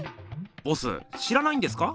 ボス知らないんですか？